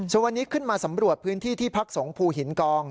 ส่วนวันนี้ขึ้นมาสำรวจพื้นที่ที่พักสงภูหินกอง